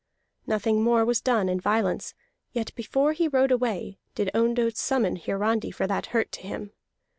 Nothing more was done in violence; yet before he rode away did Ondott summon Hiarandi for that hurt to him.